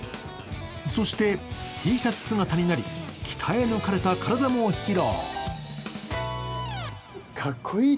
そして、Ｔシャツ姿になり鍛え抜かれた体も披露。